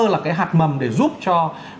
là cái hạt mầm để giúp cho